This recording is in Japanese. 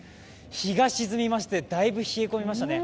日が沈みましてだいぶ冷え込みましたね。